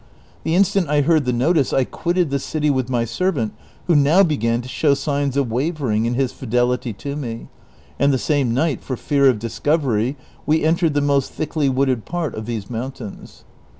The instant I heard the notice I quitted the city with my servant, who now began to show signs of wavering in his fidelity to me, and the same night, for fear of discovery, we entered the most thickly wooded part of these mountains.